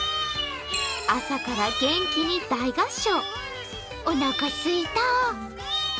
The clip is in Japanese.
朝から元気に大合唱。